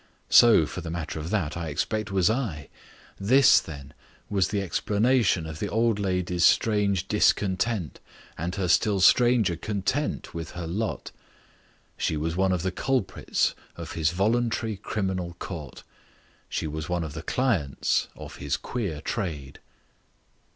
So, for the matter of that, I expect, was I. This, then, was the explanation of the old lady's strange discontent and her still stranger content with her lot. She was one of the culprits of his Voluntary Criminal Court. She was one of the clients of his Queer Trade.